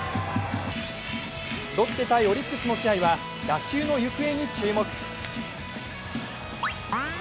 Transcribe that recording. ロッテ×オリックスの試合は打球の行方に注目。